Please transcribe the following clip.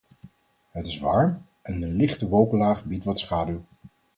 Het is warm, en een lichte wolkenlaag biedt wat schaduw.